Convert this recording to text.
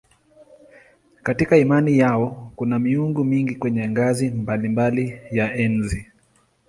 Katika imani yao kuna miungu mingi kwenye ngazi mbalimbali ya enzi.